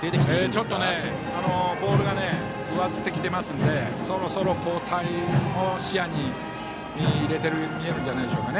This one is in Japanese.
ちょっとボールが上ずってきてますのでそろそろ交代を視野に入れているんじゃないでしょうか。